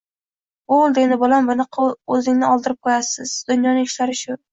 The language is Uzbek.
—Bo'ldi endi, bolam! Bunaqada o'zingizni oldirib qo'yasiz. Dunyoning ishlari shu